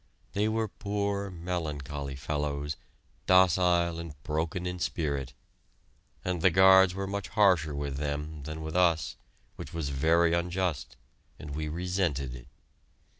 They were poor, melancholy fellows, docile and broken in spirit, and the guards were much harsher with them than with us, which was very unjust, and we resented it.